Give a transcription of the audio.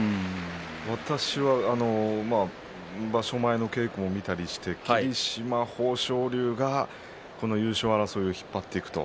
私は場所前の稽古を見たりして霧島、豊昇龍がこの優勝争いを引っ張っていくと。